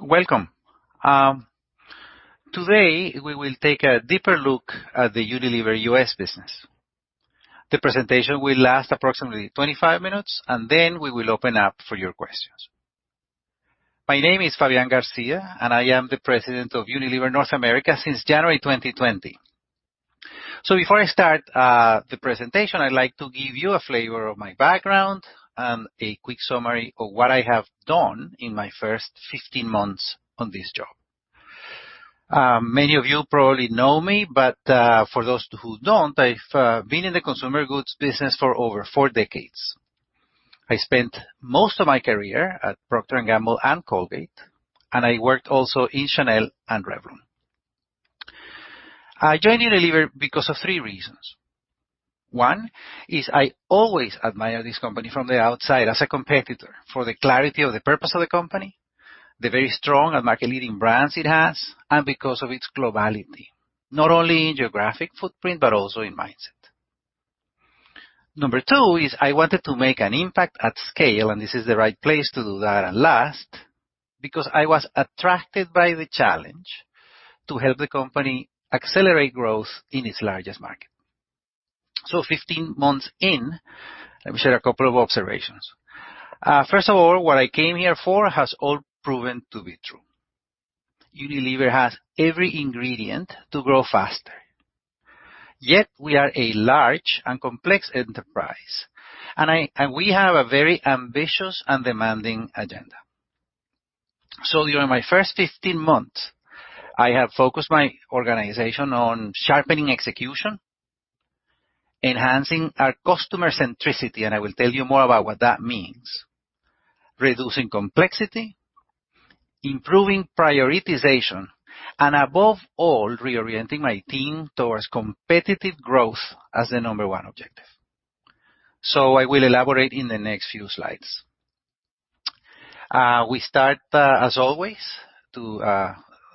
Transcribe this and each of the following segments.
Welcome. Today we will take a deeper look at the Unilever U.S. business. The presentation will last approximately 25 minutes, and then we will open up for your questions. My name is Fabian Garcia, and I am the president of Unilever North America since January 2020. Before I start the presentation, I'd like to give you a flavor of my background and a quick summary of what I have done in my first 15 months on this job. Many of you probably know me, but for those who don't, I've been in the consumer goods business for over four decades. I spent most of my career at Procter & Gamble and Colgate, and I worked also in Chanel and Revlon. I joined Unilever because of three reasons. One is I always admired this company from the outside as a competitor for the clarity of the purpose of the company, the very strong and market-leading brands it has, and because of its globality, not only in geographic footprint but also in mindset. Number two is I wanted to make an impact at scale, this is the right place to do that and last- -because I was attracted by the challenge to help the company accelerate growth in its largest market. 15 months in, let me share a couple of observations. First of all, what I came here for has all proven to be true. Unilever has every ingredient to grow faster. We are a large and complex enterprise, and we have a very ambitious and demanding agenda. During my first 15 months, I have focused my organization on sharpening execution, enhancing our customer centricity, and I will tell you more about what that means, reducing complexity, improving prioritization, and above all, reorienting my team towards competitive growth as the number one objective. I will elaborate in the next few slides. We start, as always, to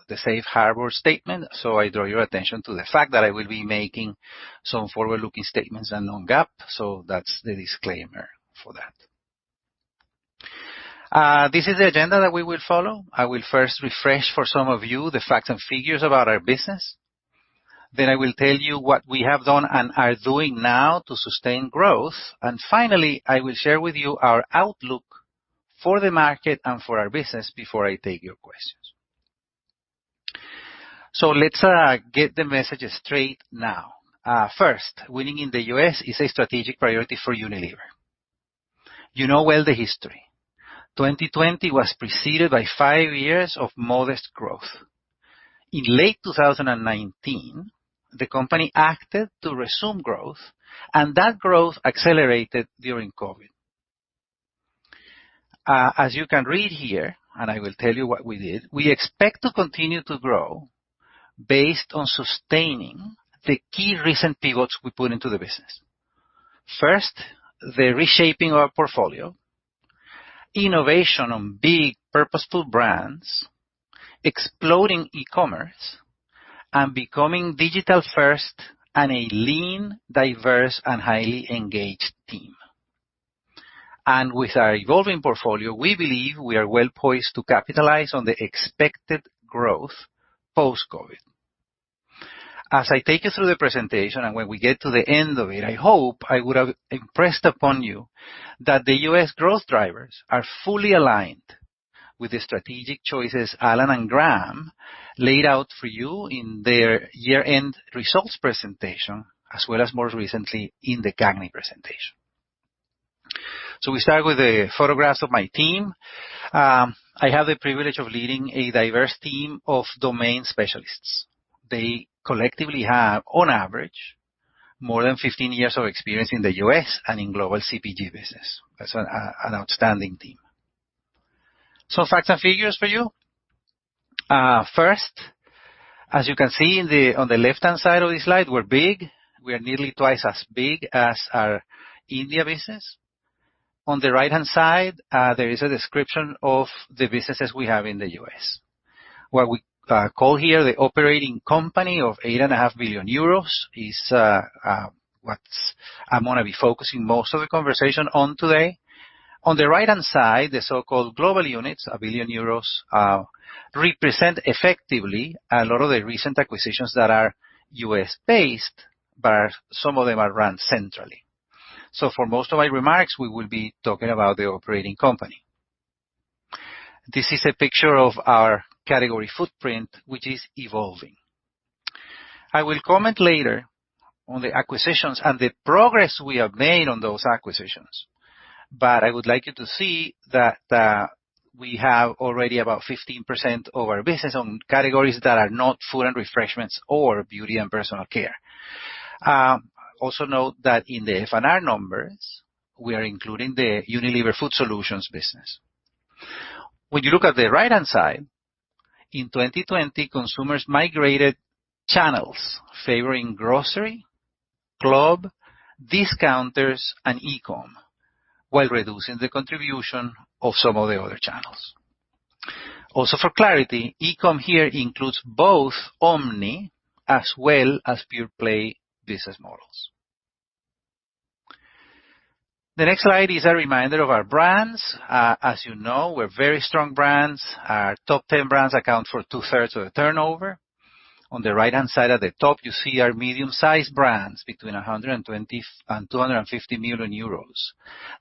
the Safe Harbor statement. I draw your attention to the fact that I will be making some forward-looking statements and non-GAAP, so that's the disclaimer for that. This is the agenda that we will follow. I will first refresh for some of you the facts and figures about our business. I will tell you what we have done and are doing now to sustain growth. Finally, I will share with you our outlook for the market and for our business before I take your questions. Let's get the message straight now. First, winning in the U.S. is a strategic priority for Unilever. You know well the history. 2020 was preceded by five years of modest growth. In late 2019, the company acted to resume growth, and that growth accelerated during COVID. As you can read here, and I will tell you what we did, we expect to continue to grow based on sustaining the key recent pivots we put into the business. First, the reshaping of our portfolio, innovation on big, purposeful brands, exploding e-commerce, and becoming digital-first and a lean, diverse, and highly engaged team. And with our evolving portfolio, we believe we are well poised to capitalize on the expected growth post-COVID. As I take you through the presentation and when we get to the end of it, I hope I would have impressed upon you that the U.S. growth drivers are fully aligned with the strategic choices Alan and Graeme laid out for you in their year-end results presentation, as well as more recently in the CAGNY presentation. We start with the photographs of my team. I have the privilege of leading a diverse team of domain specialists. They collectively have, on average, more than 15 years of experience in the U.S. and in global CPG business, that's an outstanding team. Facts and figures for you. First, as you can see on the left-hand side of the slide, we're big. We are nearly twice as big as our India business. On the right-hand side, there is a description of the businesses we have in the U.S. What we call here the operating company of 8.5 billion euros is what I'm going to be focusing most of the conversation on today. On the right-hand side, the so-called global units, 1 billion euros, represent effectively a lot of the recent acquisitions that are U.S.-based, some of them are run centrally. For most of my remarks, we will be talking about the operating company. This is a picture of our category footprint, which is evolving. I will comment later on the acquisitions and the progress we have made on those acquisitions. I would like you to see that we have already about 15% of our business on categories that are not food and refreshments or beauty and personal care. Also note that in the F&R numbers, we are including the Unilever Food Solutions business. When you look at the right-hand side, in 2020, consumers migrated channels favoring grocery, club, discounters, and e-com, while reducing the contribution of some of the other channels. For clarity, e-com here includes both omni as well as pure-play business models. The next slide is a reminder of our brands. As you know, we're very strong brands. Our top 10 brands account for 2/3 of the turnover. On the right-hand side at the top, you see our medium-sized brands between 120 million and 250 million euros.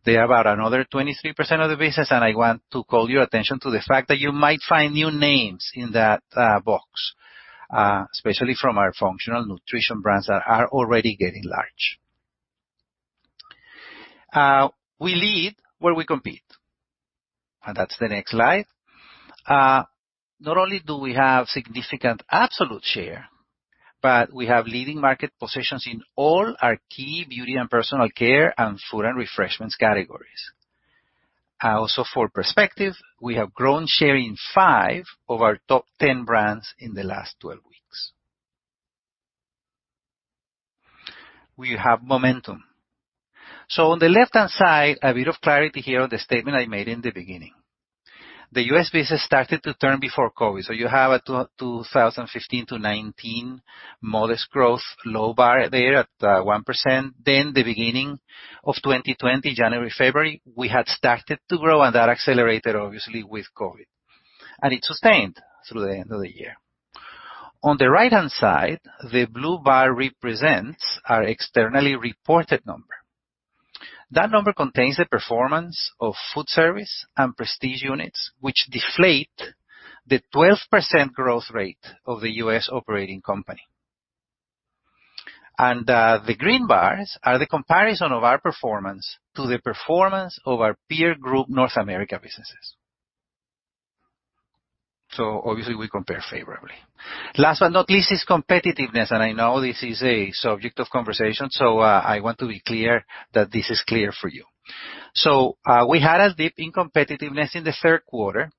They are about another 23% of the business and i want to call your attention to the fact that you might find new names in that box, especially from our functional nutrition brands that are already getting large. We lead where we compete. That's the next slide. Not only do we have significant absolute share, but we have leading market positions in all our key beauty and personal care and food and refreshments categories. For perspective, we have grown share in five of our top 10 brands in the last 12 weeks. We have momentum. On the left-hand side, a bit of clarity here on the statement I made in the beginning. The U.S. business started to turn before COVID, you have a 2015 to 2019 modest growth, low bar there at 1% the beginning of 2020, January, February, we had started to grow, and that accelerated obviously with COVID, and it sustained through the end of the year. On the right-hand side, the blue bar represents our externally reported number. That number contains the performance of food service and prestige units, which deflate the 12% growth rate of the U.S. operating company. The green bars are the comparison of our performance to the performance of our peer group North America businesses. Obviously we compare favorably. Last but not least is competitiveness, and I know this is a subject of conversation, so I want to be clear that this is clear for you. We had a dip in competitiveness in the Q3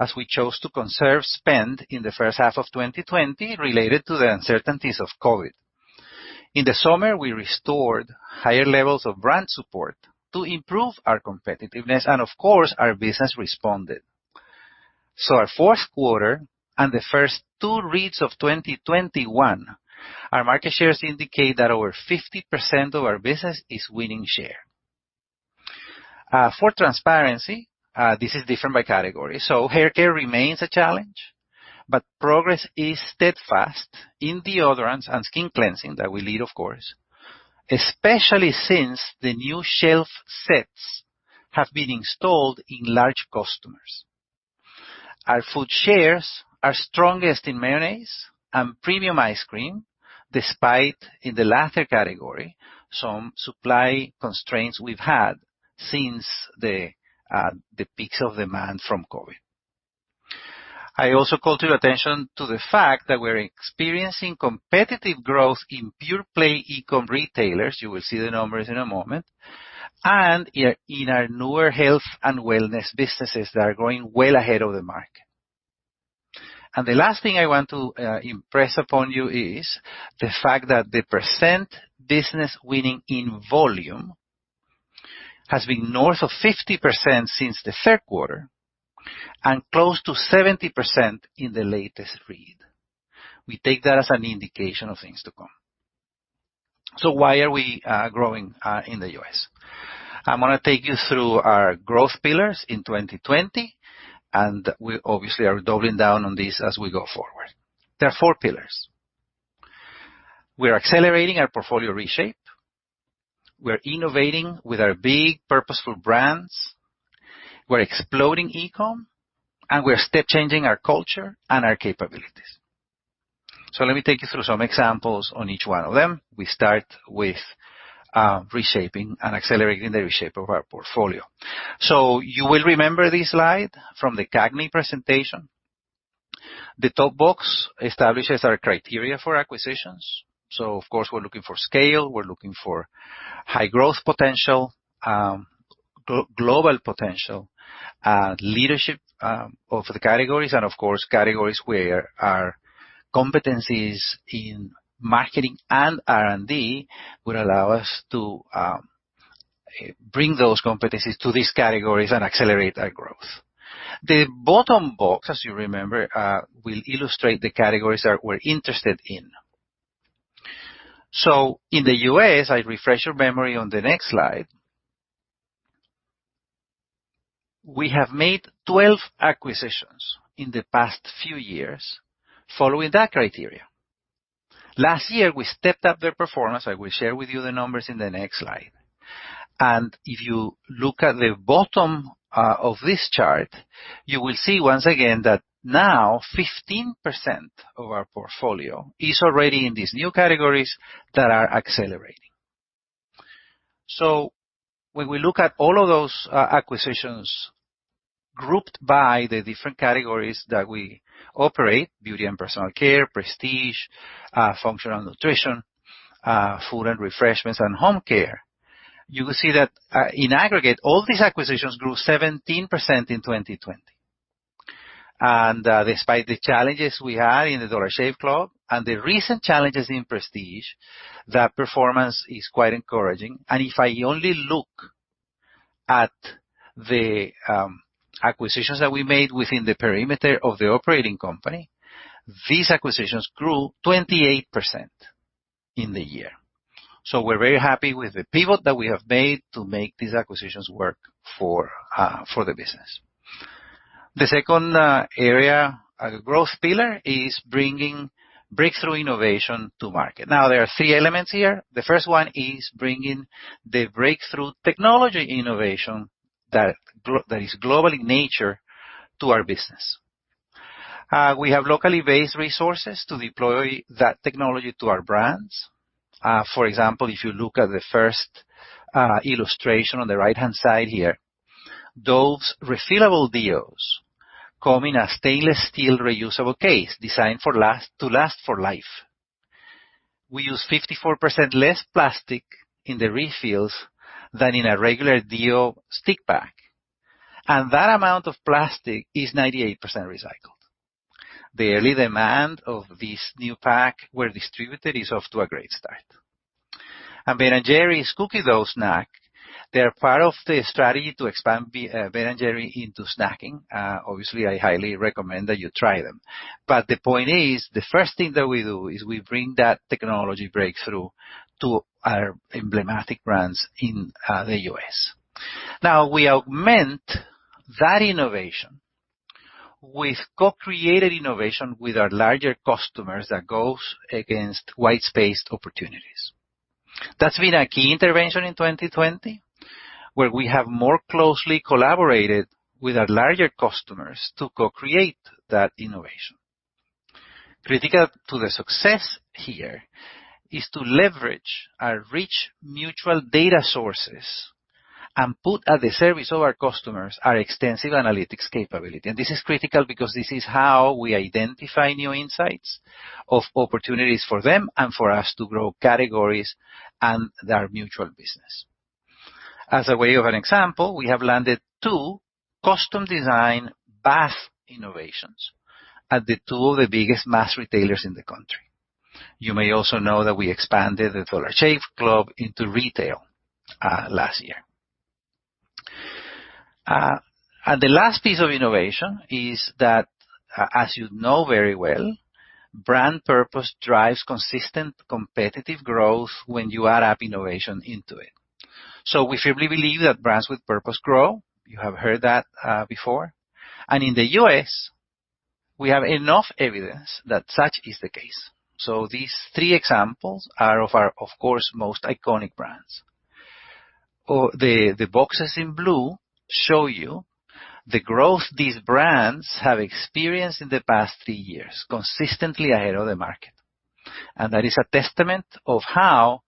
as we chose to conserve spend in the first half of 2020 related to the uncertainties of COVID. In the summer, we restored higher levels of brand support to improve our competitiveness, and of course, our business responded. Our Q4 and the first two reads of 2021, our market shares indicate that over 50% of our business is winning share. For transparency, this is different by category so hair care remains a challenge, but progress is steadfast in deodorants and skin cleansing that we lead, of course, especially since the new shelf sets have been installed in large customers. Our food shares are strongest in mayonnaise and premium ice cream, despite in the latter category, some supply constraints we've had since the peak of demand from COVID. I also call to your attention to the fact that we're experiencing competitive growth in pure-play e-com retailers you will see the numbers in a moment. In our newer health and wellness businesses that are growing well ahead of the market. The last thing I want to impress upon you is the fact that the percent business winning in volume has been north of 50% since the Q3 and close to 70% in the latest read. We take that as an indication of things to come. Why are we growing in the U.S.? I'm going to take you through our growth pillars in 2020, and we obviously are doubling down on these as we go forward. There are four pillars. We are accelerating our portfolio reshape, we're innovating with our big purposeful brands, we're exploding e-com, and we're step changing our culture and our capabilities. Let me take you through some examples on each one of them we start with reshaping and accelerating the reshape of our portfolio. You will remember this slide from the CAGNY presentation. The top box establishes our criteria for acquisitions. Of course, we're looking for scale, we're looking for high growth potential, global potential, leadership of the categories, and of course, categories where our competencies in marketing and R&D would allow us to bring those competencies to these categories and accelerate our growth. The bottom box, as you remember, will illustrate the categories that we're interested in. In the U.S., I refresh your memory on the next slide. We have made 12 acquisitions in the past few years following that criteria. Last year, we stepped up their performance i will share with you the numbers in the next slide. If you look at the bottom of this chart, you will see once again that now 15% of our portfolio is already in these new categories that are accelerating. When we look at all of those acquisitions grouped by the different categories that we operate, Beauty and Personal Care, Prestige, Functional Nutrition, Food and Refreshments, and Home Care, you will see that in aggregate, all these acquisitions grew 17% in 2020. Despite the challenges we had in the Dollar Shave Club and the recent challenges in prestige, that performance is quite encouraging if I only look at the acquisitions that we made within the perimeter of the operating company, these acquisitions grew 28% in the year. We're very happy with the pivot that we have made to make these acquisitions work for the business. The second area, growth pillar, is bringing breakthrough innovation to market now there are three elements here, the first one is bringing the breakthrough technology innovation that is global in nature to our business. We have locally based resources to deploy that technology to our brands. For example, if you look at the first illustration on the right-hand side here, those refillable DEOs come in a stainless steel reusable case designed to last for life. We use 54% less plastic in the refills than in a regular DEO stick pack, and that amount of plastic is 98% recycled. The early demand of this new pack where distributed is off to a great start. Ben & Jerry's Cookie Dough Snack, they are part of the strategy to expand Ben & Jerry's into snacking, obviously, I highly recommend that you try them. The point is, the first thing that we do is we bring that technology breakthrough to our emblematic brands in the U.S. Now, we augment that innovation with co-created innovation with our larger customers that goes against white-space opportunities. That's been a key intervention in 2020, where we have more closely collaborated with our larger customers to co-create that innovation. Critical to the success here is to leverage our rich mutual data sources and put at the service of our customers our extensive analytics capability and this is critical because this is how we identify new insights of opportunities for them and for us to grow categories and their mutual business. As a way of an example, we have landed two custom design bath innovations at the two of the biggest mass retailers in the country. You may also know that we expanded the Dollar Shave Club into retail last year. The last piece of innovation is that, as you know very well, brand purpose drives consistent competitive growth when you add up innovation into it. We firmly believe that brands with purpose grow. You have heard that before. In the U.S., we have enough evidence that such is the case so, these three examples are of our, of course, most iconic brands. The boxes in blue show you the growth these brands have experienced in the past three years, consistently ahead of the market. That is a testament of how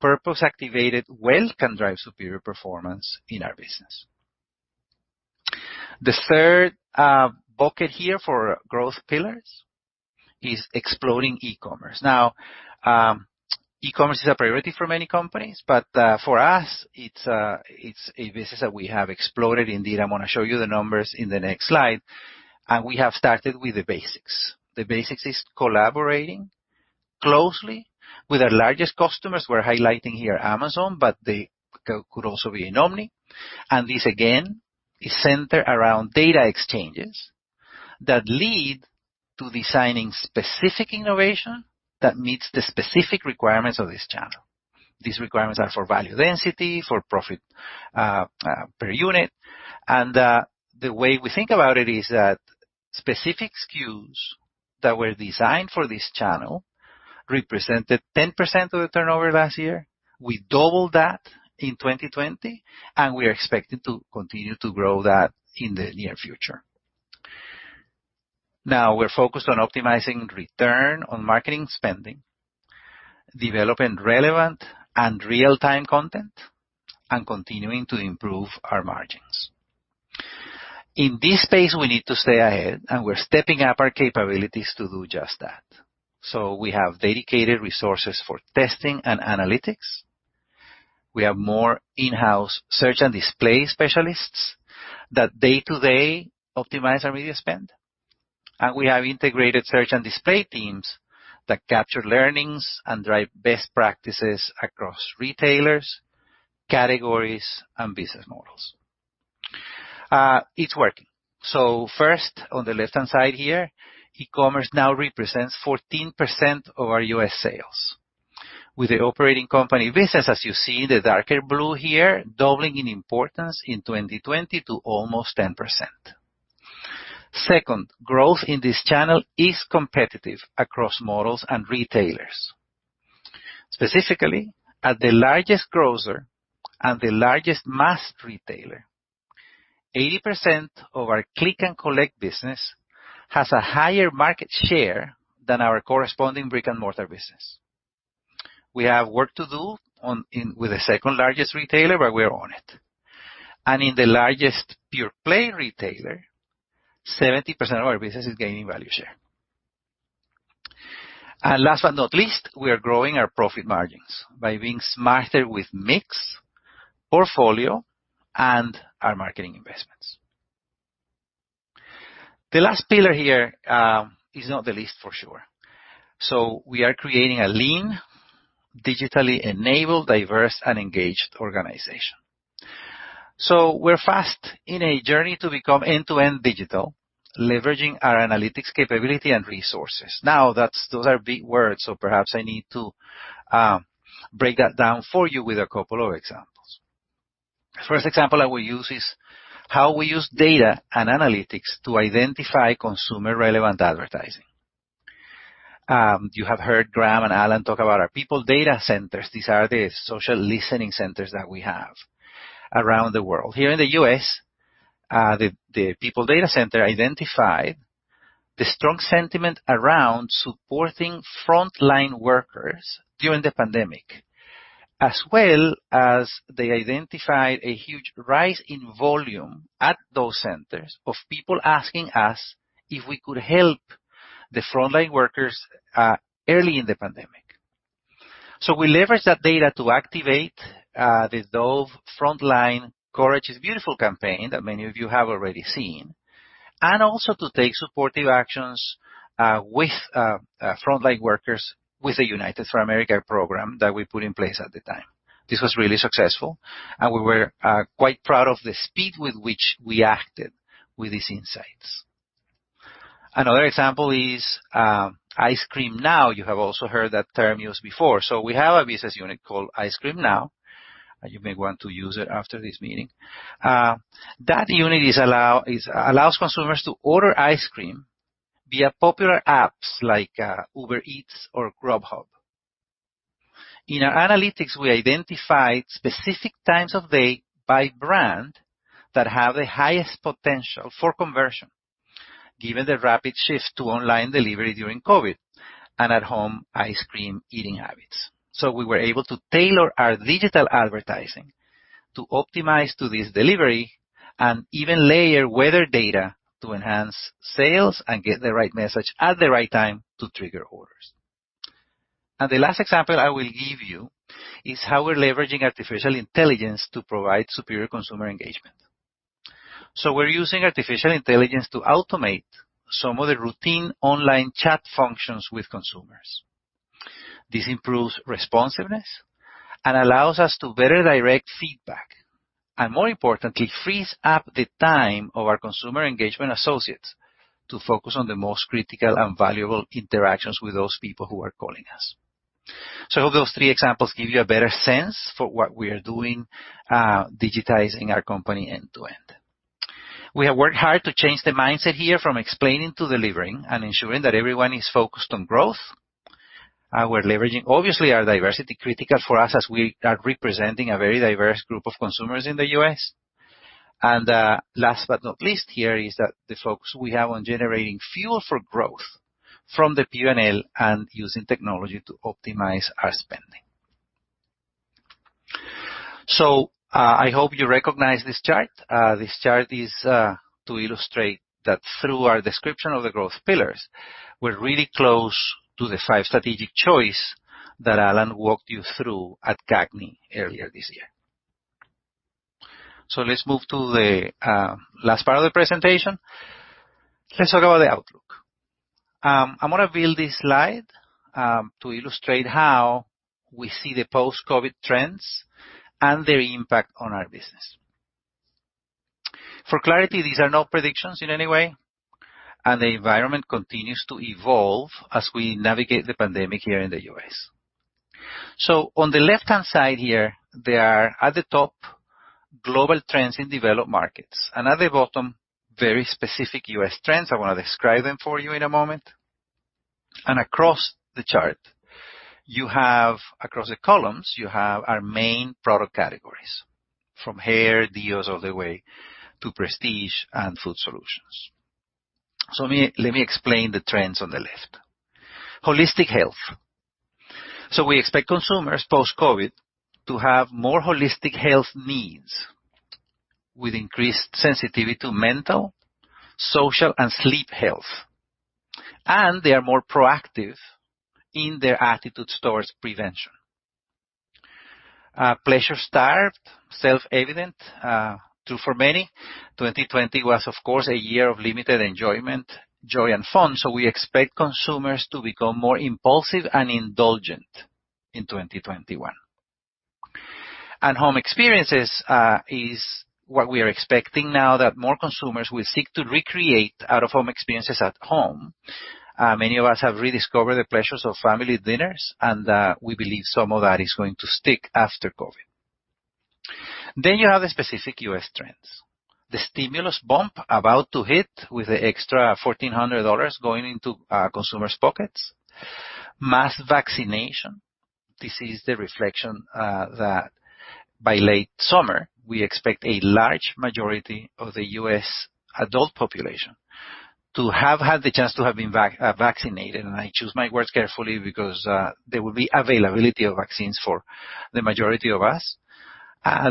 purpose-activated wealth can drive superior performance in our business. The third bucket here for growth pillars is exploding e-commerce. E-commerce is a priority for many companies, but for us, it's a business that we have exploded indeed i'm going to show you the numbers in the next slide. We have started with the basics. The basics is collaborating closely with our largest customers we're highlighting here Amazon, but they could also be an Omni. This again, is centered around data exchanges that lead to designing specific innovation that meets the specific requirements of this channel. These requirements are for value density, for profit per unit. The way we think about it is that specific SKUs that were designed for this channel represented 10% of the turnover last year. We doubled that in 2020, and we are expecting to continue to grow that in the near future. We're focused on optimizing return on marketing spending, developing relevant and real-time content, and continuing to improve our margins. In this space, we need to stay ahead, and we're stepping up our capabilities to do just that. We have dedicated resources for testing and analytics. We have more in-house search and display specialists that day-to-day optimize our media spend. We have integrated search and display teams that capture learnings and drive best practices across retailers, categories, and business models. It's working so first, on the left-hand side here, e-commerce now represents 14% of our U.S. sales. With the operating company business, as you see, the darker blue here doubling in importance in 2020 to almost 10%. Second growth in this channel is competitive across models and retailers. Specifically at the largest grocer and the largest mass retailer, 80% of our click and collect business has a higher market share than our corresponding brick-and-mortar business. We have work to do with the second largest retailer, but we're on it. In the largest pure-play retailer, 70% of our business is gaining value share. Last but not least, we are growing our profit margins by being smarter with mix, portfolio, and our marketing investments. The last pillar here is not the least for sure. We are creating a lean, digitally enabled, diverse, and engaged organization. We're fast in a journey to become end-to-end digital, leveraging our analytics capability and resources now those are big words, so perhaps I need to break that down for you with a couple of examples. First example I will use is how we use data and analytics to identify consumer-relevant advertising. You have heard Graeme and Alan talk about our People Data Centers these are the social listening centers that we have around the world here in the U.S., the People Data Center identified the strong sentiment around supporting frontline workers during the pandemic, as well as they identified a huge rise in volume at those centers of people asking us if we could help the frontline workers early in the pandemic. We leveraged that data to activate the Dove Courage Is Beautiful campaign that many of you have already seen, and also to take supportive actions with frontline workers with the United for America program that we put in place at the time. This was really successful, and we were quite proud of the speed with which we acted with these insights. Another example is Ice Cream Now. You have also heard that term used before so we have a business unit called Ice Cream Now. You may want to use it after this meeting. That unit allows consumers to order ice cream via popular apps like Uber Eats or Grubhub. In our analytics, we identified specific times of day by brand that have the highest potential for conversion, given the rapid shift to online delivery during COVID and at-home ice cream eating habits. We were able to tailor our digital advertising to optimize to this delivery and even layer weather data to enhance sales and get the right message at the right time to trigger orders. The last example I will give you is how we're leveraging artificial intelligence to provide superior consumer engagement. We're using artificial intelligence to automate some of the routine online chat functions with consumers. This improves responsiveness and allows us to better direct feedback, and more importantly, frees up the time of our consumer engagement associates to focus on the most critical and valuable interactions with those people who are calling us. I hope those three examples give you a better sense for what we are doing, digitizing our company end to end. We have worked hard to change the mindset here from explaining to delivering and ensuring that everyone is focused on growth. We're leveraging, obviously, our diversity critical for us as we are representing a very diverse group of consumers in the U.S. Last but not least here is that the focus we have on generating fuel for growth from the P&L and using technology to optimize our spending. I hope you recognize this chart. This chart is to illustrate that through our description of the growth pillars, we're really close to the five strategic choice that Alan walked you through at CAGNY earlier this year. Let's move to the last part of the presentation. Let's talk about the outlook. I'm going to build this slide to illustrate how we see the post-COVID trends and their impact on our business. For clarity, these are not predictions in any way, and the environment continues to evolve as we navigate the pandemic here in the U.S. On the left-hand side here, they are at the top global trends in developed markets, and at the bottom, very specific U.S. trends i want to describe them for you in a moment. Across the chart, across the columns, you have our main product categories, from hair, DEOs, all the way to prestige and food solutions. Let me explain the trends on the left. Holistic health. We expect consumers post-COVID to have more holistic health needs with increased sensitivity to mental, social, and sleep health, and they are more proactive in their attitudes towards prevention. Pleasure-starved, self-evident, true for many. 2020 was, of course, a year of limited enjoyment, joy, and fun, so we expect consumers to become more impulsive and indulgent in 2021. Home experiences is what we are expecting now that more consumers will seek to recreate out-of-home experiences at home. Many of us have rediscovered the pleasures of family dinners, and we believe some of that is going to stick after COVID. You have the specific U.S. trends. The stimulus bump about to hit with the extra $1,400 going into consumers' pockets. Mass vaccination. This is the reflection that by late summer, we expect a large majority of the U.S. adult population to have had the chance to have been vaccinated and i choose my words carefully because there will be availability of vaccines for the majority of us.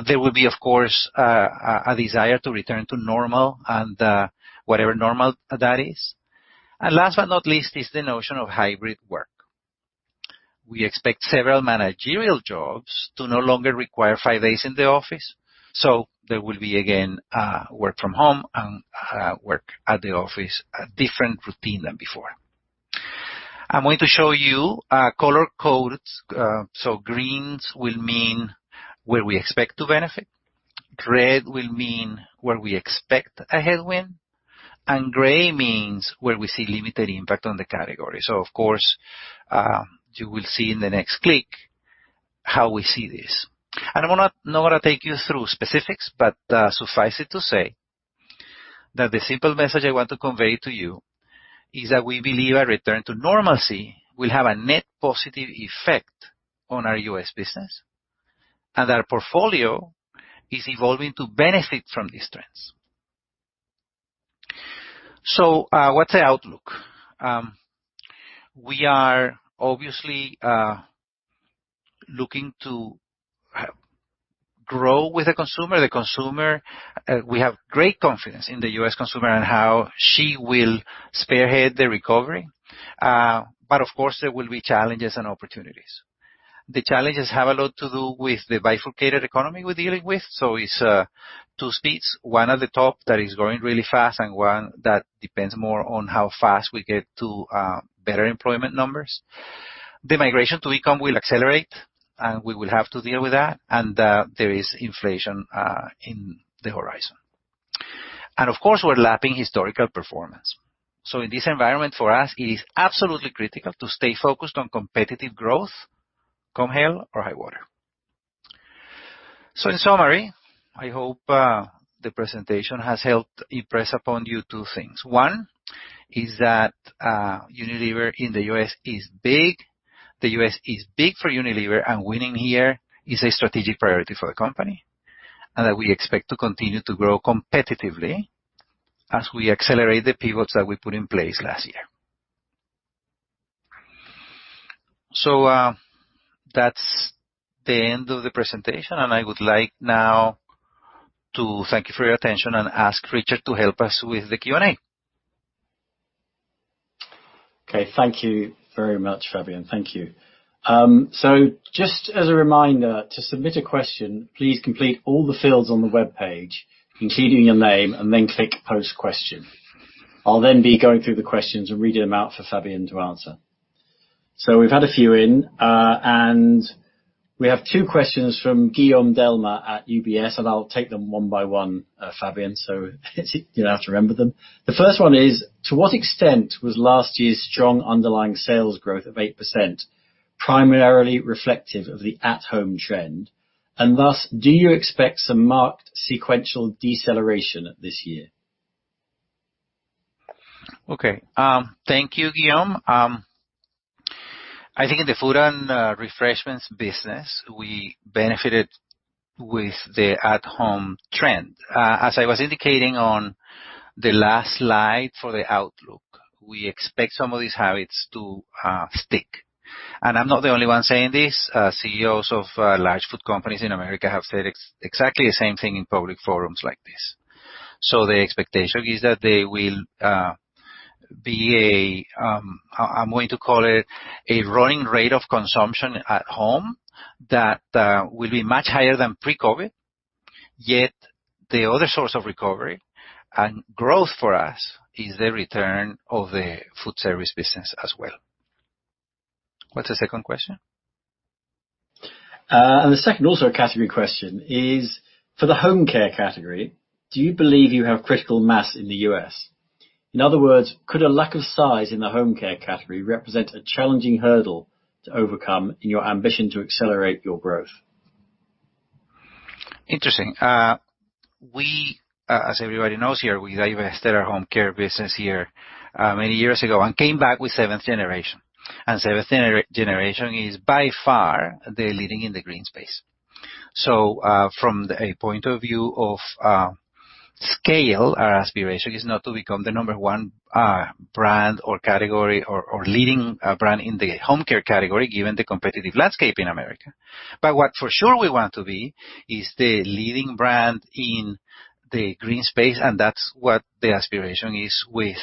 There will be, of course, a desire to return to normal and whatever normal that is. Last but not least is the notion of hybrid work. We expect several managerial jobs to no longer require five days in the office. There will be, again, work from home and work at the office, a different routine than before. I'm going to show you color codes. Greens will mean where we expect to benefit, red will mean where we expect a headwind, and gray means where we see limited impact on the category so of course, you will see in the next click how we see this. I'm not going to take you through specifics, but suffice it to say that the simple message I want to convey to you is that we believe a return to normalcy will have a net positive effect on our U.S. business, and our portfolio is evolving to benefit from these trends. What's the outlook? We are obviously looking to grow with the consumer we have great confidence in the U.S. consumer and how she will spearhead the recovery. Of course, there will be challenges and opportunities. The challenges have a lot to do with the bifurcated economy we're dealing with so it's two speeds, one at the top that is growing really fast and one that depends more on how fast we get to better employment numbers. The migration to e-com will accelerate, we will have to deal with that, and there is inflation in the horizon. Of course, we're lapping historical performance. In this environment, for us, it is absolutely critical to stay focused on competitive growth, come hell or high water. In summary, I hope, the presentation has helped impress upon you two things one- -is that Unilever in the U.S. is big. The U.S. is big for Unilever, and winning here is a strategic priority for the company, and that we expect to continue to grow competitively as we accelerate the pivots that we put in place last year. That's the end of the presentation, and I would like now to thank you for your attention and ask Richard to help us with the Q&A. Okay. Thank you very much, Fabian thank you. Just as a reminder, to submit a question, please complete all the fields on the webpage, including your name, and then click Post-Question. I'll then be going through the questions and reading them out for Fabian to answer. We've had a few in, and we have two questions from Guillaume Delmas at UBS, and I'll take them one by one, Fabian, so you don't have to remember them. The first one is, to what extent was last year's strong underlying sales growth of 8% primarily reflective of the at-home trend, and thus, do you expect some marked sequential deceleration this year? Okay. Thank you, Guillaume. I think in the food and refreshments business, we benefited with the at-home trend. As I was indicating on the last slide for the outlook, we expect some of these habits to stick. I'm not the only one saying this. CEOs of large food companies in the U.S. have said exactly the same thing in public forums like this. The expectation is that there will be a, I'm going to call it a rolling rate of consumption at home that will be much higher than pre-COVID, yet the other source of recovery and growth for us is the return of the food service business as well. What's the second question? The second, also a category question, is for the home care category, do you believe you have critical mass in the U.S.? In other words, could a lack of size in the home care category represent a challenging hurdle to overcome in your ambition to accelerate your growth? Interesting. As everybody knows here, we divested our home care business here many years ago and came back with Seventh Generation. Seventh Generation is by far the leading in the green space. From a point of view of scale, our aspiration is not to become the number one brand or category or leading brand in the home care category, given the competitive landscape in America. What for sure we want to be is the leading brand in the green space, and that's what the aspiration is with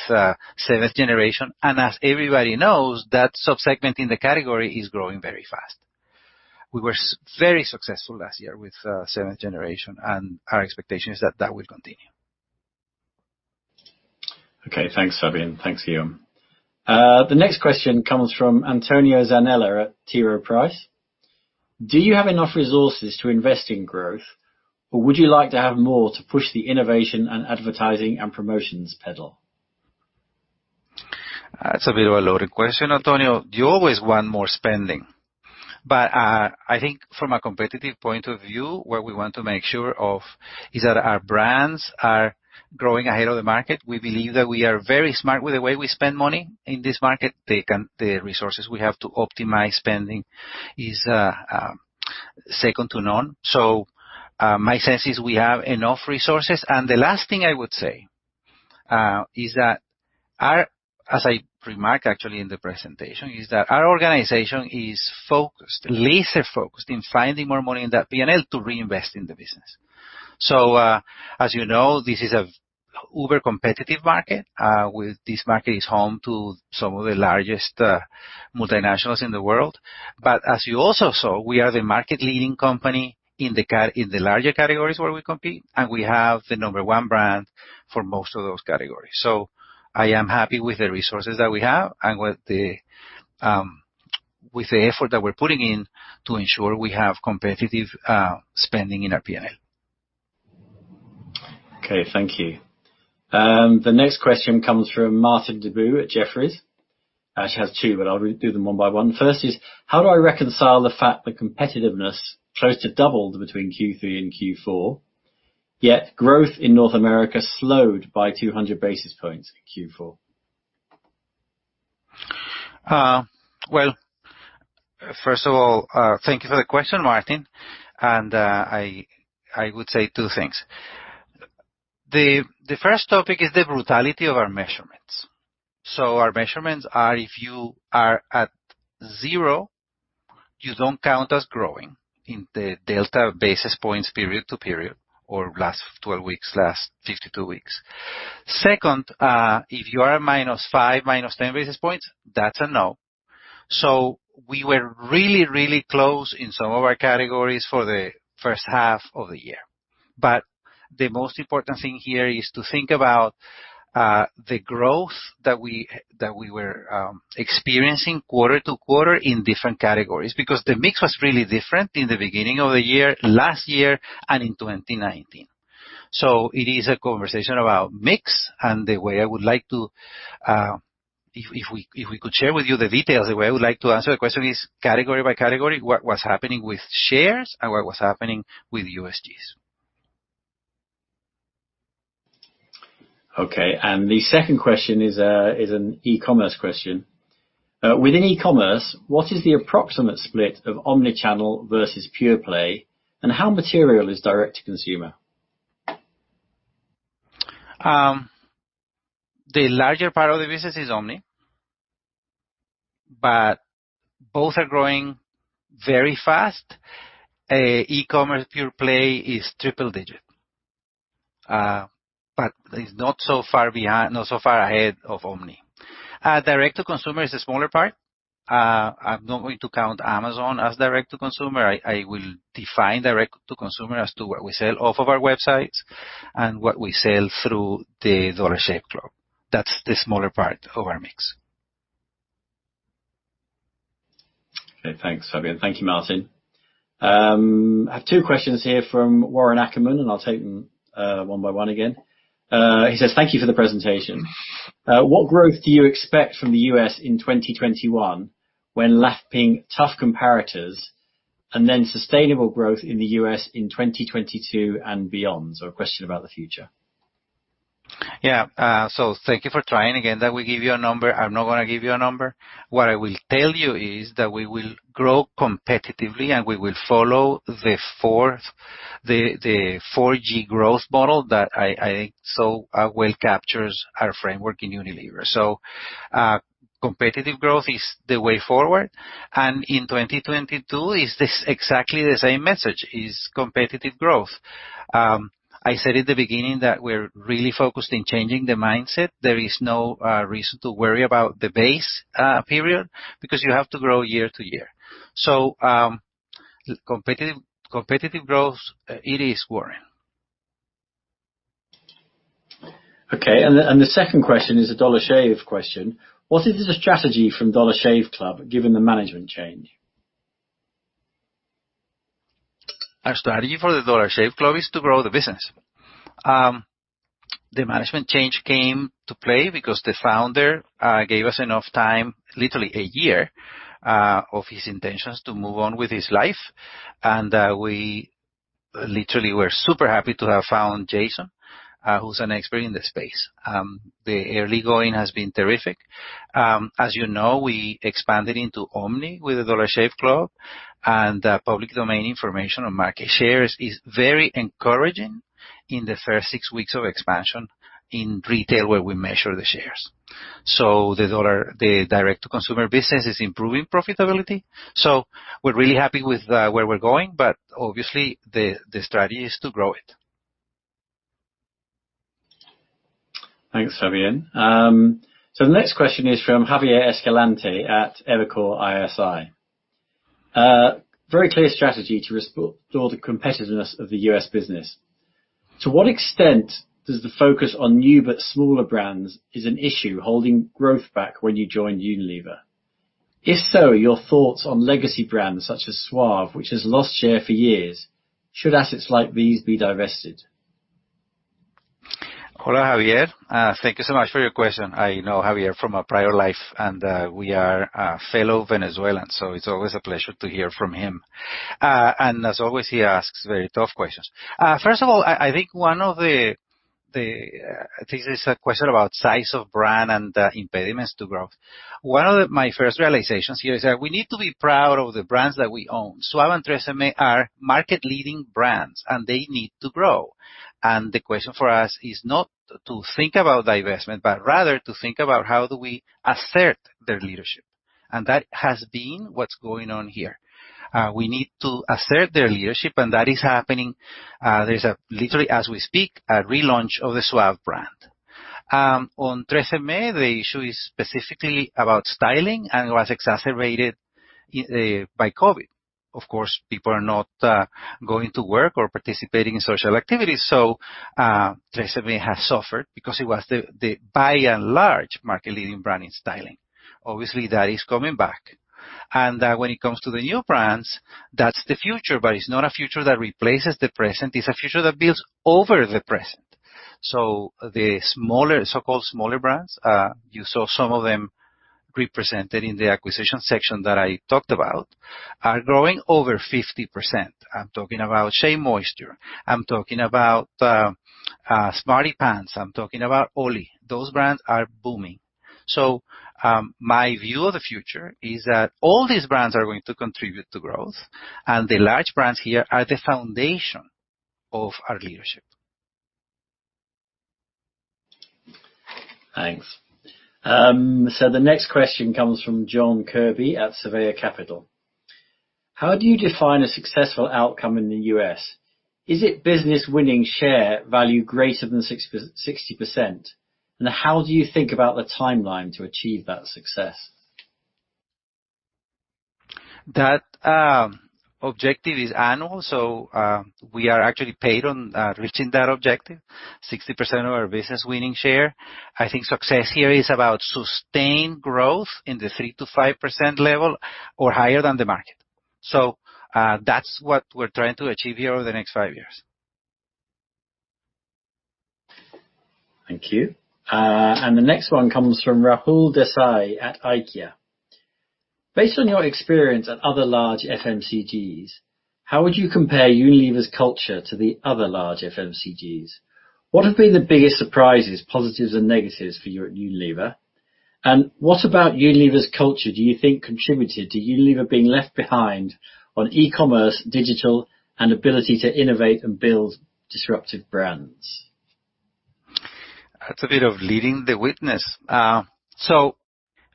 Seventh Generation and as everybody knows, that subsegment in the category is growing very fast. We were very successful last year with Seventh Generation, and our expectation is that that will continue. Okay. Thanks, Fabian. Thanks, Guillaume. The next question comes from Antonio Zanella at T. Rowe Price. Do you have enough resources to invest in growth? or would you like to have more to push the innovation and advertising and promotions pedal? That's a bit of a loaded question, Antonio. You always want more spending. I think from a competitive point of view, what we want to make sure of is that our brands are growing ahead of the market we believe that we are very smart with the way we spend money in this market, taken the resources we have to optimize spending is second to none. My sense is we have enough resources and the last thing I would say is that our, as I remarked actually in the presentation, is that our organization is focused, laser-focused in finding more money in that P&L to reinvest in the business. As you know, this is a uber-competitive market with this market is home to some of the largest multinationals in the world. As you also saw, we are the market leading company in the larger categories where we compete, and we have the number one brand for most of those categories. I am happy with the resources that we have and with the effort that we're putting in to ensure we have competitive spending in our P&L. Okay, thank you. The next question comes from Martin Deboo at Jefferies. He actually has two, but I'll do them one by one first is, how do I reconcile the fact that competitiveness close to doubled between Q3 and Q4? yet growth in North America slowed by 200 basis points in Q4? Well, first of all, thank you for the question, Martin. I would say two things. The first topic is the brutality of our measurements. Our measurements are, if you are at zero, you don't count as growing in the delta basis points period to period or last 12 weeks, last 52 weeks. Second, if you are at -5, -10 basis points, that's a no. We were really, really close in some of our categories for the first half of the year. The most important thing here is to think about the growth that we were experiencing quarter-to-quarter in different categories because the mix was really different in the beginning of the year, last year and in 2019. It is a conversation about mix and if we could share with you the details, the way I would like to answer the question is category by category, what was happening with shares and what was happening with USGs. Okay. The second question is an e-commerce question. Within e-commerce, what is the approximate split of omni-channel versus pure play, and how material is direct to consumer? The larger part of the business is omni, but both are growing very fast, e-commerce pure play is triple digit, but is not so far ahead of omni. Direct to consumer is a smaller part. I'm not going to count Amazon as direct to consumer i will define direct to consumer as to what we sell off of our websites and what we sell through the Dollar Shave Club. That's the smaller part of our mix. Okay. Thanks, Fabian. Thank you, Martin. I have two questions here from Warren Ackerman, and I'll take them one by one again. He says, thank you for the presentation. What growth do you expect from the U.S. in 2021? when lapping tough comparators and then sustainable growth in the U.S. in 2022 and beyond? a question about the future. Yeah. Thank you for trying again that we give you a number im not going to give you a number. What I will tell you is that we will grow competitively and we will follow the 4G growth model that I think so well captures our framework in Unilever. Competitive growth is the way forward, and in 2022 is this exactly the same message, is competitive growth. I said at the beginning that we're really focused in changing the mindset. There is no reason to worry about the base period because you have to grow year to year. Competitive growth it is, Warren. Okay. The second question is a Dollar Shave question. What is the strategy from Dollar Shave Club given the management change? Our strategy for the Dollar Shave Club is to grow the business. The management change came to play because the founder gave us enough time, literally a year, of his intentions to move on with his life. We literally we're super happy to have found Jason, who's an expert in this space. The early going has been terrific. As you know, we expanded into omni with the Dollar Shave Club, and public domain information on market shares is very encouraging in the first six weeks of expansion in retail where we measure the shares. The direct to consumer business is improving profitability. We're really happy with where we're going, but obviously the strategy is to grow it. Thanks, Fabian. The next question is from Javier Escalante at Evercore ISI. Very clear strategy to restore the competitiveness of the U.S. business. To what extent does the focus on new, but smaller brands is an issue holding growth back when you join Unilever? If so, your thoughts on legacy brands such as Suave, which has lost share for years, should assets like these be divested? Hola, Javier. Thank you so much for your question i know Javier from a prior life and we are fellow Venezuelans. It's always a pleasure to hear from him. As always, he asks very tough questions. First of all, I think this is a question about size of brand and impediments to growth. One of my first realizations here is that we need to be proud of the brands that we own. Suave and TRESemmé are market leading brands and they need to grow. The question for us is not to think about divestment, rather to think about how do we assert their leadership. That has been what's going on here. We need to assert the leadership and that is happening. There's literally, as we speak, a relaunch of the Suave brand. On TRESemmé, the issue is specifically about styling and was exacerbated by COVID. Of course, people are not going to work or participating in social activities, TRESemmé has suffered because it was the by and large market leading brand in styling, obviously, that is coming back. When it comes to the new brands, that's the future, but it's not a future that replaces the present it's a future that builds over the present. The so-called smaller brands, you saw some of them represented in the acquisition section that I talked about, are growing over 50%. I'm talking about SheaMoisture, I'm talking about SmartyPants, I'm talking about OLLY, those brands are booming. My view of the future is that all these brands are going to contribute to growth, and the large brands here are the foundation of our leadership. Thanks. The next question comes from John Kirby at Surveyor Capital. How do you define a successful outcome in the U.S.? Is it business winning share value greater than 60%? How do you think about the timeline to achieve that success? That objective is annual, so we are actually paid on reaching that objective, 60% of our business winning share. I think success here is about sustained growth in the 3%-5% level or higher than the market. That's what we're trying to achieve here over the next five years. Thank you. The next one comes from Rahul Desai at Aikya. Based on your experience at other large FMCGs, how would you compare Unilever's culture to the other large FMCGs? What have been the biggest surprises, positives, and negatives for you at Unilever? What about Unilever's culture do you think contributed to Unilever being left behind on e-commerce, digital, and ability to innovate and build disruptive brands? That's a bit of leading the witness.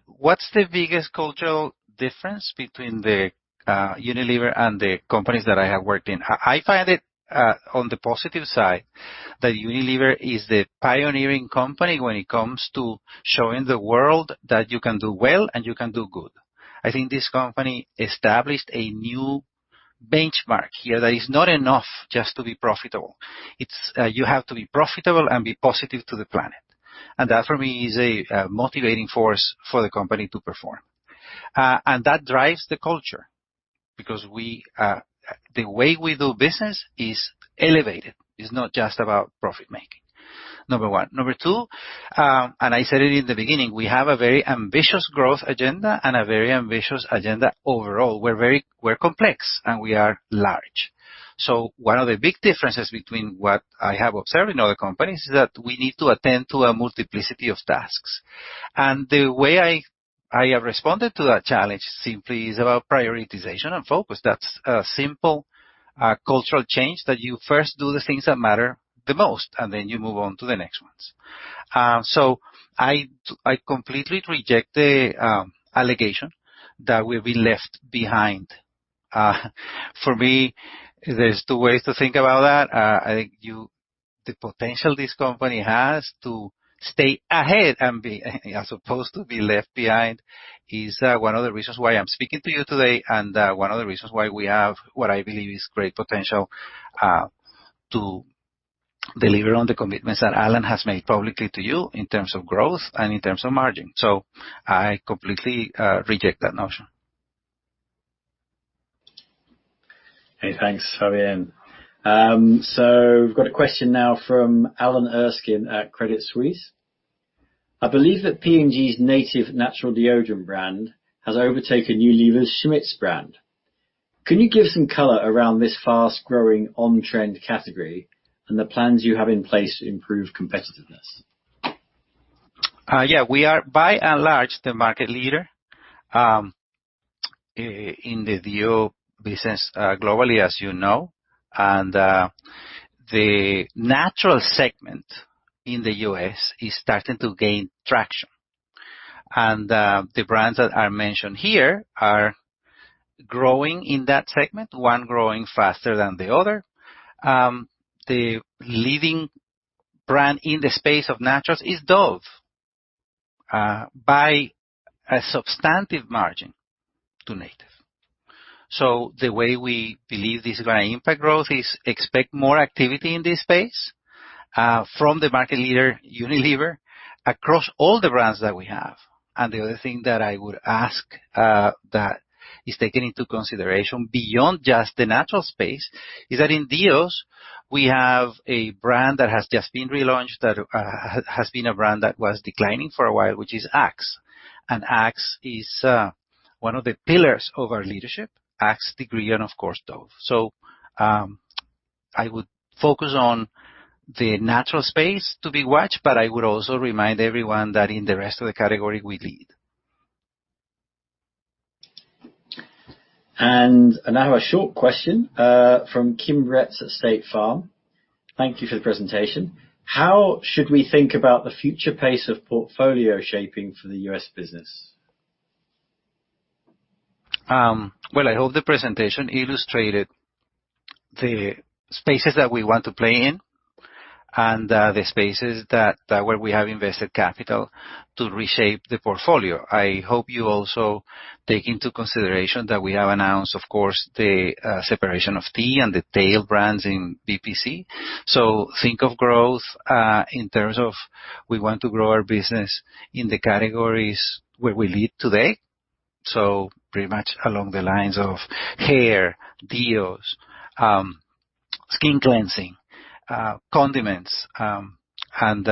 What's the biggest cultural difference between the Unilever and the companies that I have worked in i find it, on the positive side, that Unilever is the pioneering company when it comes to showing the world that you can do well and you can do good. I think this company established a new benchmark here that is not enough just to be profitable. It's you have to be profitable and be positive to the planet. That, for me, is a motivating force for the company to perform. That drives the culture because the way we do business is elevated. It's not just about profit-making, number one, number two, and I said it in the beginning, we have a very ambitious growth agenda and a very ambitious agenda overall we're complex, and we are large. One of the big differences between what I have observed in other companies is that we need to attend to a multiplicity of tasks. And, the way I have responded to that challenge simply is about prioritization and focus that's a simple cultural change that you first do the things that matter the most, and then you move on to the next ones. I completely reject the allegation that we've been left behind. For me, there's two ways to think about that i think, the potential this company has to stay ahead as opposed to be left behind is one of the reasons why I'm speaking to you today, and one of the reasons why we have what I believe is great potential to deliver on the commitments that Alan has made publicly to you in terms of growth and in terms of margin. I completely reject that notion. Hey, thanks, Fabian. We've got a question now from Alan Erskine at Credit Suisse. I believe that P&G's Native natural deodorant brand has overtaken Unilever's Schmidt's brand. Can you give some color around this fast-growing on-trend category? and the plans you have in place to improve competitiveness? Yeah we are by and large the market leader in the DEO business globally, as you know. The natural segment in the U.S. is starting to gain traction. The brands that are mentioned here are growing in that segment, one growing faster than the other. The leading brand in the space of naturals is Dove, by a substantive margin to Native. The way we believe this is going to impact growth is expect more activity in this space from the market leader, Unilever, across all the brands that we have. The other thing that I would ask that is taken into consideration beyond just the natural space is that in DEOs, we have a brand that has just been relaunched that has been a brand that was declining for a while, which is Axe, and Axe is one of the pillars of our leadership, Axe, Degree, and of course, Dove. I would focus on the natural space to be watched, but I would also remind everyone that in the rest of the category, we lead. Now a short question from Kim Retz at State Farm. Thank you for the presentation. How should we think about the future pace of portfolio shaping for the U.S. business? Well, I hope the presentation illustrated the spaces that we want to play in and the spaces where we have invested capital to reshape the portfolio i hope you also take into consideration that we have announced, of course, the separation of tea and the tail brands in BPC. Think of growth in terms of we want to grow our business in the categories where we lead today. Pretty much along the lines of hair, DEOs, skin cleansing, condiments, and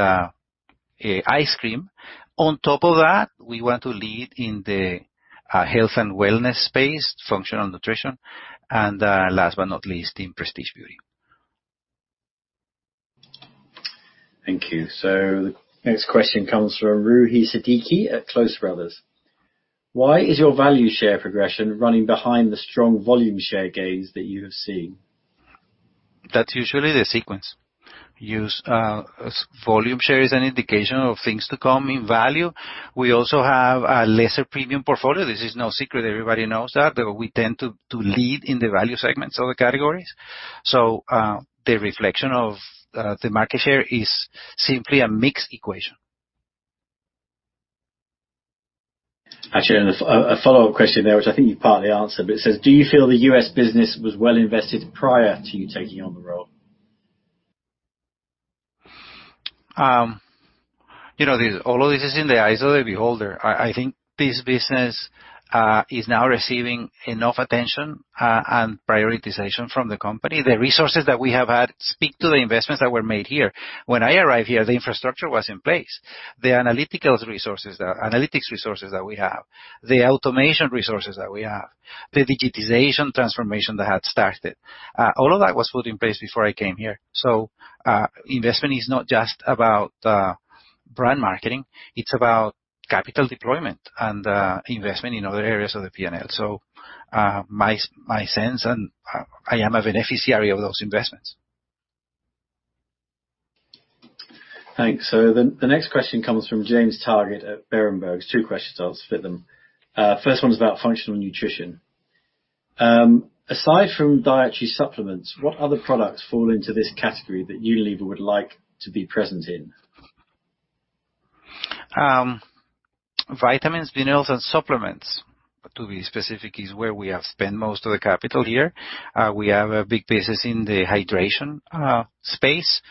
ice cream. On top of that, we want to lead in the health and wellness space, functional nutrition, and last but not least, in prestige beauty. Thank you. The next question comes from Roohi Siddiqui at Close Brothers. Why is your value share progression running behind the strong volume share gains that you have seen? That's usually the sequence. Volume share is an indication of things to come in value. We also have a lesser premium portfolio this is no secret everybody knows that we tend to lead in the value segments of the categories. The reflection of the market share is simply a mixed equation. Actually, a follow-up question there, which I think you've partly answered, but it says, do you feel the U.S. business was well invested prior to you taking on the role? All of this is in the eyes of the beholder. I think this business is now receiving enough attention and prioritization from the company the resources that we have had speak to the investments that were made here. When I arrived here, the infrastructure was in place. The analytics resources that we have, the automation resources that we have, the digitization transformation that had started, all of that was put in place before I came here. Investment is not just about brand marketing, it's about capital deployment and investment in other areas of the P&L so, my sense, and I am a beneficiary of those investments. Thanks. The next question comes from James Targett at Berenberg two questions, I'll split them. First one is about functional nutrition. Aside from dietary supplements, what other products fall into this category that Unilever would like to be present in? Vitamins, minerals, and supplements, to be specific, is where we have spent most of the capital here. We have a big business in the hydration space.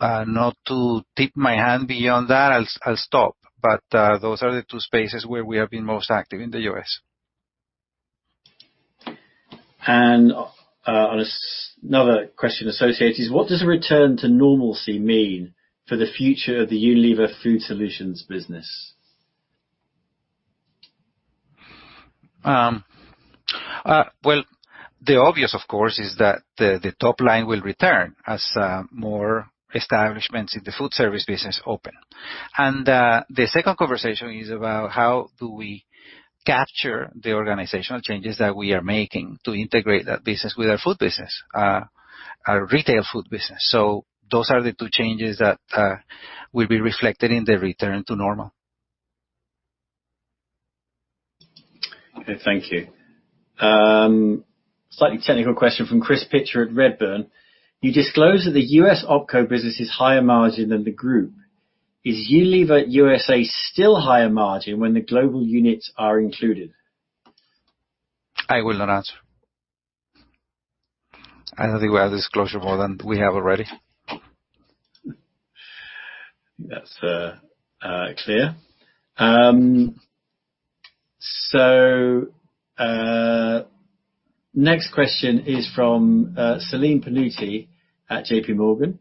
Not to tip my hand beyond that, I'll stop but, those are the two spaces where we have been most active in the U.S. Another question associated is what does a return to normalcy mean for the future of the Unilever Food Solutions business? Well, the obvious, of course, is that the top line will return as more establishments in the food service business open. The second conversation is about how do we capture the organizational changes that we are making to integrate that business with our food business, our retail food business so, those are the two changes that will be reflected in the return to normal. Okay, thank you. Slightly technical question from Chris Pitcher at Redburn. You disclose that the U.S. OpCo business is higher margin than the group. Is Unilever U.S.A. still higher margin when the global units are included? I will not answer. I don't think we have disclosure more than we have already. That's clear. Next question is from Celine Pannuti at J.P. Morgan.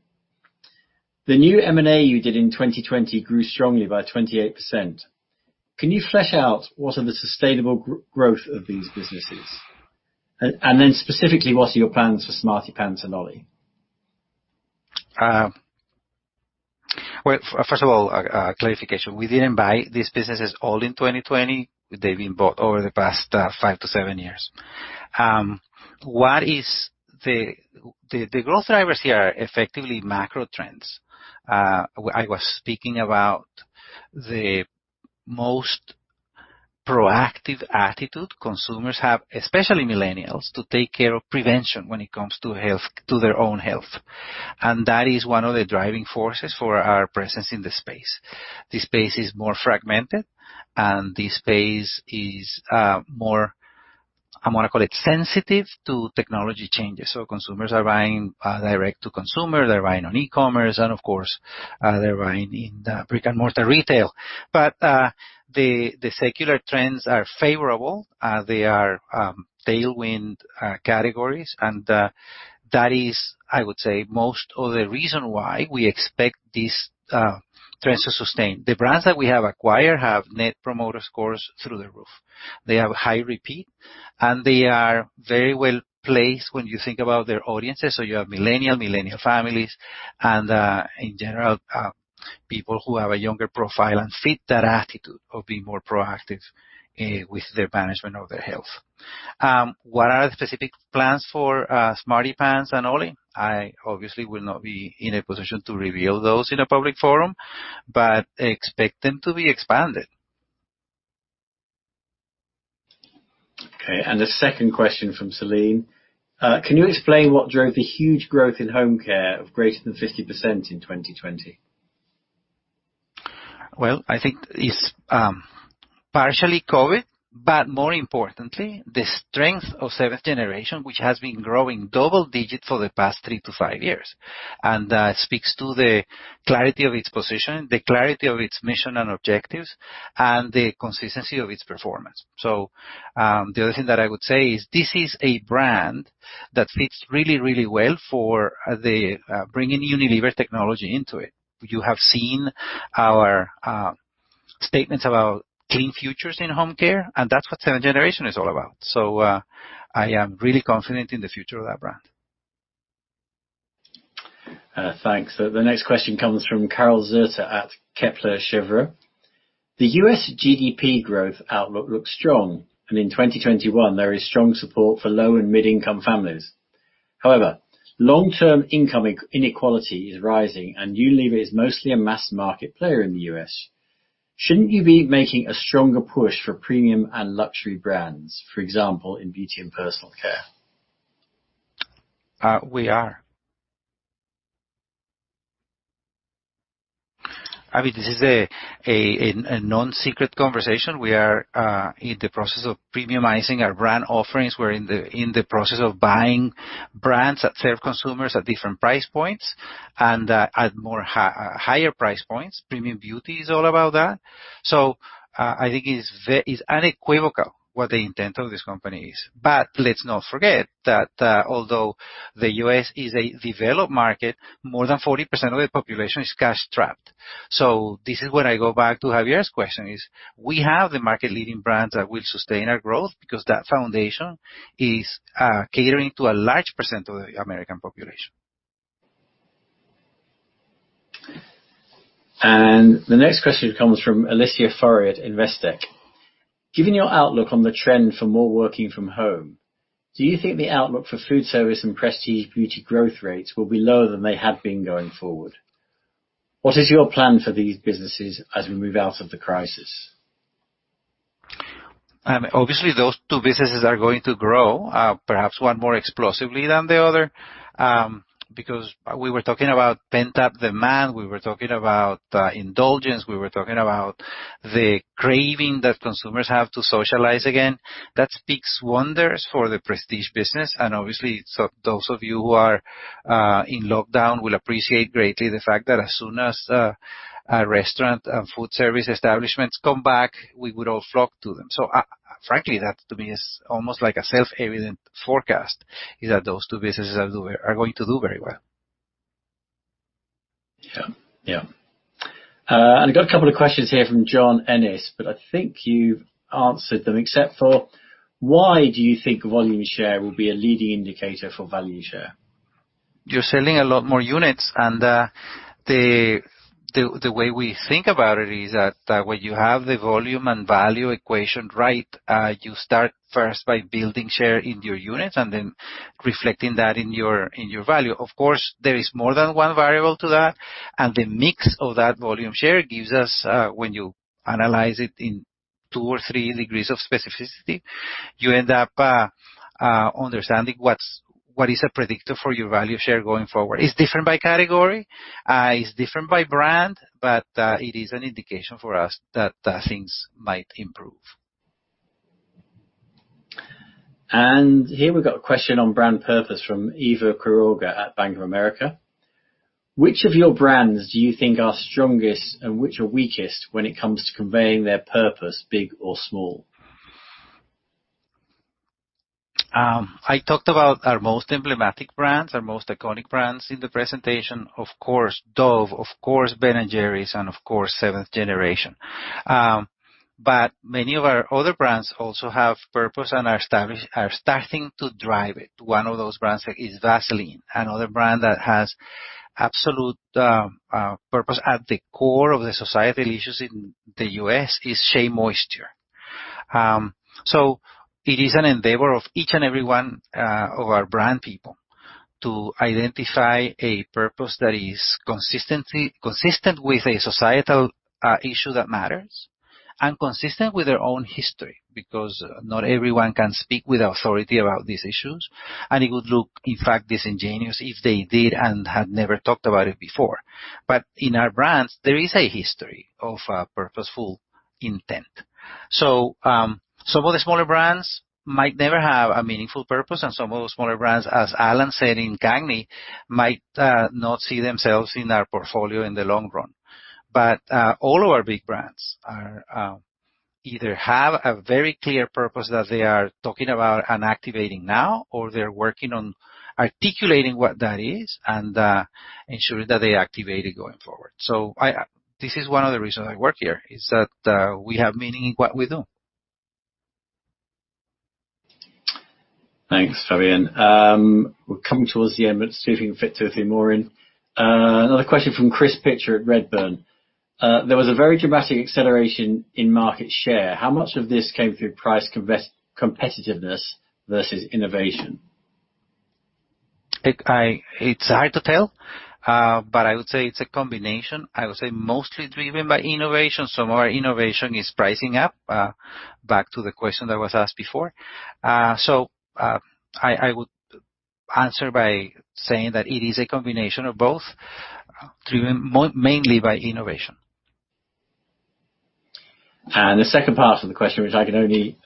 The new M&A you did in 2020 grew strongly by 28%. Can you flesh out what are the sustainable growth of these businesses? Specifically, what are your plans for SmartyPants and OLLY? Well, first of all, clarification we didn't buy these businesses all in 2020. They've been bought over the past five to seven years. The growth drivers here are effectively macro trends. I was speaking about the most proactive attitude consumers have, especially millennials, to take care of prevention when it comes to their own health. That is one of the driving forces for our presence in the space. The space is more fragmented and the space is more, I want to call it, sensitive to technology changes consumers are buying direct to consumer, they're buying on e-commerce, and of course, they're buying in the brick and mortar retail. The secular trends are favorable. They are tailwind categories, and that is, I would say, most of the reason why we expect these trends to sustain the brands that we have acquired have net promoter scores through the roof. They have high repeat, and they are very well placed when you think about their audiences you have millennial families, and in general people who have a younger profile and fit that attitude of being more proactive with their management of their health. What are the specific plans for SmartyPants and OLLY? I obviously will not be in a position to reveal those in a public forum, but expect them to be expanded. Okay, the second question from Celine, "Can you explain what drove the huge growth in home care of greater than 50% in 2020? I think it's partially COVID, but more importantly, the strength of Seventh Generation, which has been growing double digits for the past three to five years. That speaks to the clarity of its position, the clarity of its mission and objectives, and the consistency of its performance. The other thing that I would say is, this is a brand that fits really, really well for the bringing Unilever technology into it. You have seen our statements about Clean Future in home care, and that's what Seventh Generation is all about. I am really confident in the future of that brand. Thanks the next question comes from Karel Zoete at Kepler Cheuvreux. The U.S. GDP growth outlook looks strong, and in 2021, there is strong support for low and mid-income families. However, long-term income inequality is rising, and Unilever is mostly a mass market player in the U.S. Shouldn't you be making a stronger push for premium and luxury brands, for example, in beauty and personal care? We are. I mean, this is a non-secret conversation we are in the process of premiumizing our brand offerings we're in the process of buying brands that serve consumers at different price points and at more higher price points, premium beauty is all about that. I think it's unequivocal what the intent of this company is but, let's not forget that although the U.S. is a developed market, more than 40% of the population is cash trapped. This is when I go back to Javier's question is, we have the market leading brands that will sustain our growth because that foundation is catering to a large % of the American population. The next question comes from Alicia Forry at Investec. Given your outlook on the trend for more working from home, do you think the outlook for food service and prestige beauty growth rates will be lower than they have been going forward? What is your plan for these businesses as we move out of the crisis? Obviously, those two businesses are going to grow, perhaps one more explosively than the other, because we were talking about pent-up demand, we were talking about indulgence, we were talking about the craving that consumers have to socialize again. That speaks wonders for the prestige business and obviously, those of you who are in lockdown will appreciate greatly the fact that as soon as restaurant and food service establishments come back, we would all flock to them so frankly, that to me is almost like a self-evident forecast, is that those two businesses are going to do very well. Yeah. I've got a couple of questions here from John Ennis, but I think you've answered them except for, why do you think volume share will be a leading indicator for value share? You're selling a lot more units, and the way we think about it is that when you have the volume and value equation right, you start first by building share in your units and then reflecting that in your value of course, there is more than one variable to that, and the mix of that volume share gives us, when you analyze it in two or three degrees of specificity, you end up understanding what is a predictor for your value share going forward it's different by category, it's different by brand, but it is an indication for us that things might improve. Here we've got a question on brand purpose from Eva Quiroga at Bank of America. "Which of your brands do you think are strongest and which are weakest when it comes to conveying their purpose, big or small? I talked about our most emblematic brands, our most iconic brands in the presentation, of course, Dove, of course, Ben & Jerry's, and of course, Seventh Generation. Many of our other brands also have purpose and are starting to drive it, one of those brands is Vaseline. Another brand that has absolute purpose at the core of the societal issues in the U.S. is SheaMoisture. It is an endeavor of each and every one of our brand people to identify a purpose that is consistent with a societal issue that matters and consistent with their own history, because not everyone can speak with authority about these issues, and it would look, in fact, disingenuous if they did and had never talked about it before, but in our brands, there is a history of purposeful intent. Some of the smaller brands might never have a meaningful purpose, and some of the smaller brands, as Alan said in CAGNY, might not see themselves in our portfolio in the long run. All of our big brands either have a very clear purpose that they are talking about and activating now, or they're working on articulating what that is and ensuring that they activate it going forward so this is one of the reasons I work here, is that we have meaning in what we do. Thanks, Fabian. We're coming towards the end, but see if we can fit two or three more in. Another question from Chris Pitcher at Redburn. There was a very dramatic acceleration in market share how much of this came through price competitiveness versus innovation? It's hard to tell, but I would say it's a combination i would say mostly driven by innovation so more innovation is pricing up, back to the question that was asked before. I would answer by saying that it is a combination of both, driven mainly by innovation. The second part of the question, which I can only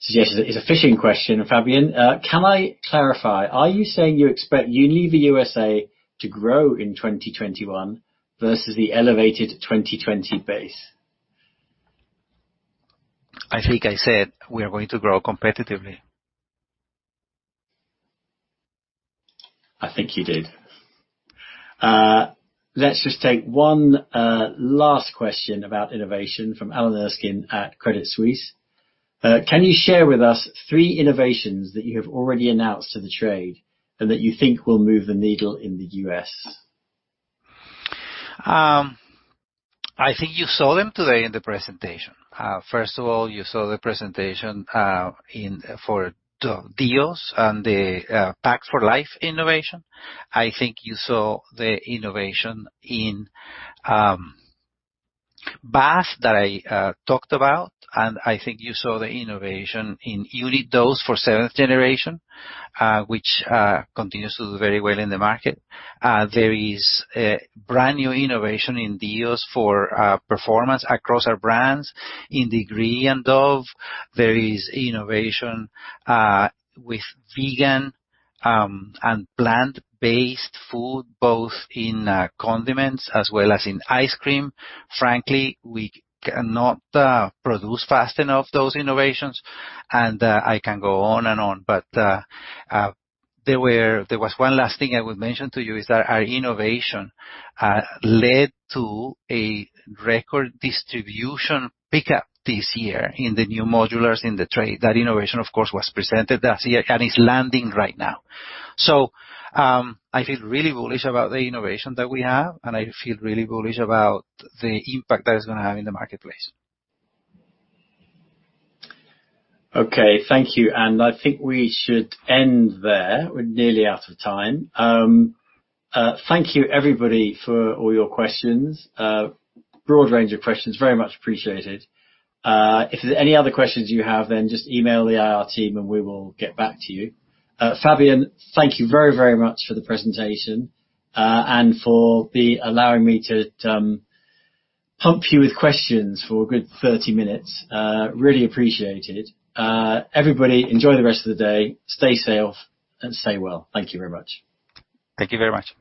suggest is a fishing question, Fabian, can I clarify: are you saying you expect Unilever USA to grow in 2021 versus the elevated 2020 base? I think I said we are going to grow competitively. I think you did. Let's just take one last question about innovation from Alan Erskine at Credit Suisse. Can you share with us three innovations that you have already announced to the trade and that you think will move the needle in the U.S.? I think you saw them today in the presentation. First of all, you saw the presentation for DEOs and the packs for life innovation. I think you saw the innovation in bath that I talked about, and I think you saw the innovation in unit dose for Seventh Generation, which continues to do very well in the market. There is a brand-new innovation in DEOs for performance across our brands in Degree and Dove. There is innovation with vegan and plant-based food, both in condiments as well as in ice cream. Frankly, we cannot produce fast enough those innovations. I can go on and on but, there was one last thing I would mention to you, is that our innovation led to a record distribution pickup this year in the new modulars in the trade, that innovation, of course, was presented last year and is landing right now. I feel really bullish about the innovation that we have, and I feel really bullish about the impact that it's going to have in the marketplace. Okay. Thank you and i think we should end there, we're nearly out of time. Thank you, everybody, for all your questions. Broad range of questions very much appreciated. If there are any other questions you have, then just email the IR team and we will get back to you. Fabian, thank you very much for the presentation and for allowing me to pump you with questions for a good 30 minutes. Really appreciated. Everybody, enjoy the rest of the day. Stay safe and stay well thank you very much. Thank you very much.